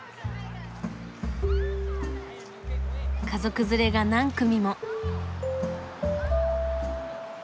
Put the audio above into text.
家族連れが何組も。